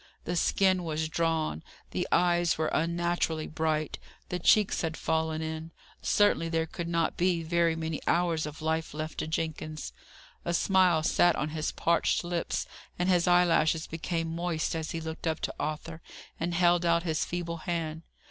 The skin was drawn, the eyes were unnaturally bright, the cheeks had fallen in; certainly there could not be very many hours of life left to Jenkins. A smile sat on his parched lips, and his eyelashes became moist as he looked up to Arthur, and held out his feeble hand.